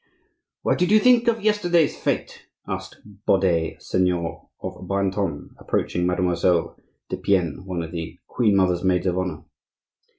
"What did you think of yesterday's fete?" asked Bourdeilles, seigneur of Brantome, approaching Mademoiselle de Piennes, one of the queen mother's maids of honor.